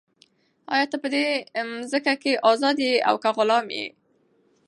آیا ته په دې مځکه کې ازاد یې او که غلام یې؟